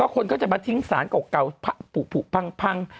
คนก็จะมาทิ้งสารเก่าผูกพัง